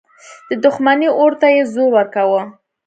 د دښمني اور ته یې زور ورکاوه.